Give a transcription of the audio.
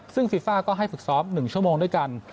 ซึ่งฟีฟ่าก็ให้ฝึกซ้อม๑ชั่วโมงด้วยกัน